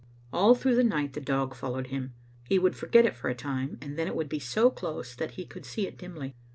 All through the night the dog followed him. He would forget it for a time, and then it would be so close that he could see it dimly.